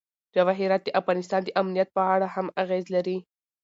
جواهرات د افغانستان د امنیت په اړه هم اغېز لري.